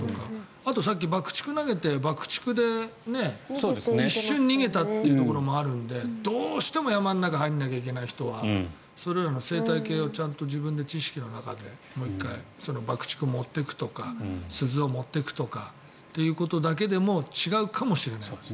あとさっき爆竹を投げて爆竹で一瞬逃げたところもあったのでどうしても山の中に入らなきゃいけない人はそれらの生態系を自分で知識の中でもう１回爆竹を持っていくとか鈴を持っていくということだけでも違うかもしれない。